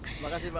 terima kasih pak